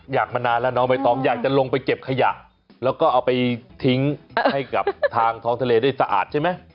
อยากมานานแล้วน้องใบตองอยากจะลงไปเก็บขยะแล้วก็เอาไปทิ้งให้กับทางท้องทะเลได้สะอาดใช่ไหม